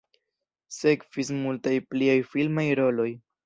Sekvis multaj pliaj filmaj roloj.